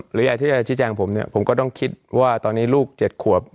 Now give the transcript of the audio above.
หรืออยากที่จะชี้แจงผมเนี่ยผมก็ต้องคิดว่าตอนนี้ลูก๗ขวบ